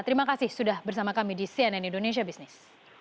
terima kasih sudah bersama kami di cnn indonesia business